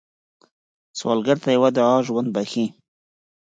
سوالګر ته یوه دعا ژوند بښي